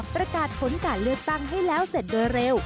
ประกาศผลการเลือกตั้งให้แล้วเสร็จโดยเร็ว